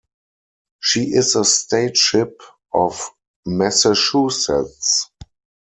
She is the State Ship of Massachusetts.